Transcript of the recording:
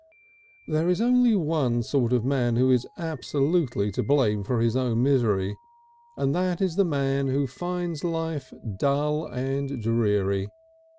There is only one sort of man who is absolutely to blame for his own misery, and that is the man who finds life dull and dreary.